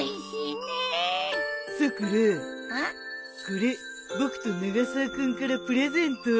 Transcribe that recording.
これ僕と永沢君からプレゼント。